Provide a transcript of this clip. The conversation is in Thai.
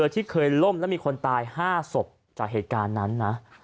ที่เคยล่มแล้วมีคนตาย๕ศพจากเหตุการณ์นั้นนะ